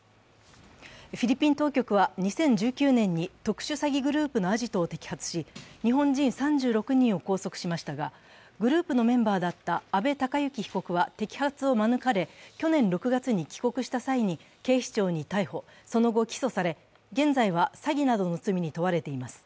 フィリピン当局は２０１９年に特殊詐欺グループのアジトを摘発し日本人３６人を拘束しましたがグループのメンバーだった阿部隆行被告は摘発を免れ、去年６月に帰国した際に警視庁に逮捕、その後起訴され現在は詐欺などの罪に問われています。